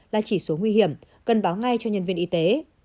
là chỉ số nguy hiểm cần báo ngay cho nhân viên y tế